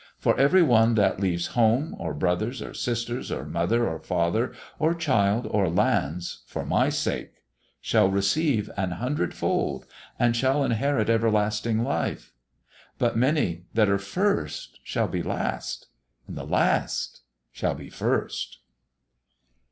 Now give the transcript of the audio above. For every one that leaves home, or brothers or sisters, or mother or father, or child or lands for My sake, shall receive an hundredfold, and shall inherit everlasting life. But many that are first shall be last, and the last shall be first."